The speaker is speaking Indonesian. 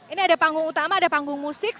ini ada panggung utama ada panggung musik